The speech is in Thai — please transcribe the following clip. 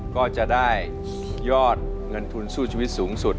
ก็จะได้ยอดเงินทุนสู้ชีวิตสูงสุด